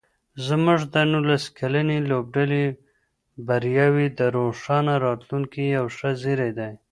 زموږ د نولس کلنې لوبډلې بریاوې د روښانه راتلونکي یو ښه زېری دی.